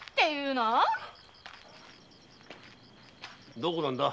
どこなんだ？